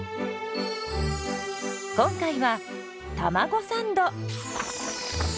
今回はたまごサンド。